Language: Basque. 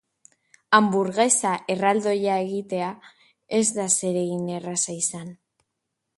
Hanburgesa erraldoia egitea ez da zeregin erraza izan.